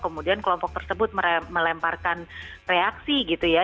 kemudian kelompok tersebut melemparkan reaksi gitu ya